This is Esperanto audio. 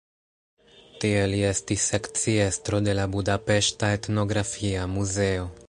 Tie li estis sekciestro de la budapeŝta Etnografia Muzeo.